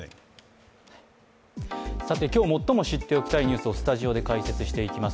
今日最も知っておきたいニュースをスタジオで解説していきます